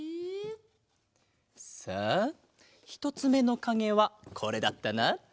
さあひとつめのかげはこれだったな。